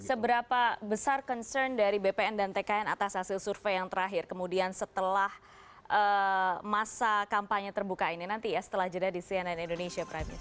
seberapa besar concern dari bpn dan tkn atas hasil survei yang terakhir kemudian setelah masa kampanye terbuka ini nanti ya setelah jeda di cnn indonesia prime news